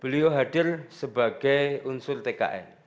beliau hadir sebagai unsur tkn